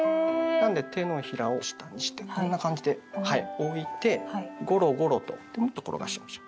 なんで手のひらを下にしてこんな感じで置いてゴロゴロと転がしましょう。